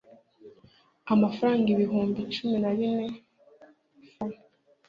amafaranga ibihumbi cumi na bine frw